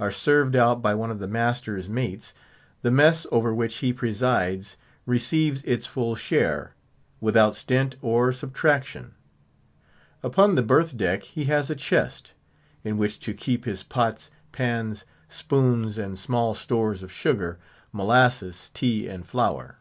are served out by one of the master's mates, the mess over which he presides receives its full share, without stint or subtraction. Upon the berth deck he has a chest, in which to keep his pots, pans, spoons, and small stores of sugar, molasses, tea, and flour.